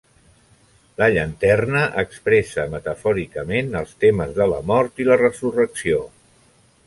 La llanterna expressa metafòricament els temes de la mort i la resurrecció.